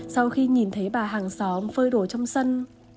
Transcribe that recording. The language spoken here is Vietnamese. sau khi nhìn thấy bà hàng xóm phơi đồ trong sân